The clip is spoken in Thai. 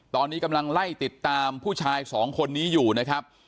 ตอนนี้กำลังไล่ติดตามผู้ชายสองคนนี้อยู่นะครับ